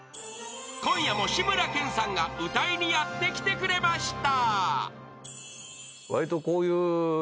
［今夜も志村けんさんが歌いにやって来てくれました］